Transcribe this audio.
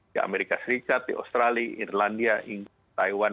di amerika serikat di australia irlandia taiwan